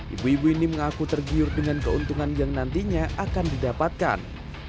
ibu ibu ini mengaku tergiur dengan keuntungan yang nantinya akan didapatkan